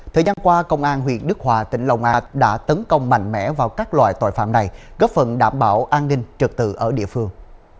thời gian qua công an huyện đức hòa tỉnh lòng an đã tấn công mạnh mẽ vào các loại tội phạm này góp phần đảm bảo an ninh trật tự ở địa phương